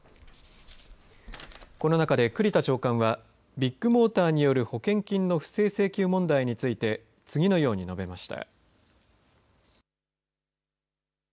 この中で栗田長官はビッグモーターによる保険金の不正請求問題について次のように述べました。